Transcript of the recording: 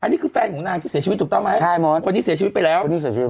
อันนี้คือแฟนของนางที่เสียชีวิตถูกต้องไหมคนนี้เสียชีวิตไปแล้ว